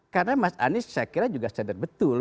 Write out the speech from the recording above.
karena mas anies saya kira juga sadar betul